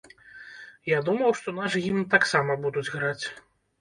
Я думаў, што наш гімн таксама будуць граць.